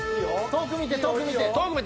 遠く見て遠く見て。